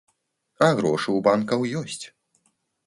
А грошы ў банкаў ёсць.